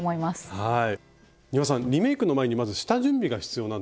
はい。